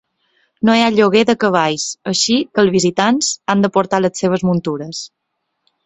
No hi ha lloguer de cavalls, així que els visitants han de portar les seves muntures.